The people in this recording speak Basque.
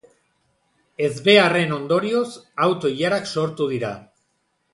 Ezbeharren ondorioz, auto-ilarak sortu dira.